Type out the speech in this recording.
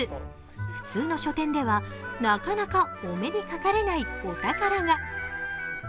普通の書店では、なかなかお目にかかれないお宝が。